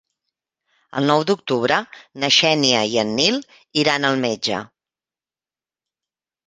El nou d'octubre na Xènia i en Nil iran al metge.